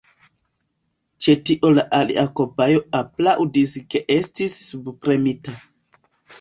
Ĉe tio la alia kobajo aplaŭdis kajestis subpremita.